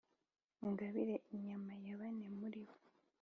. Ungabire inyama ya bane muri bo!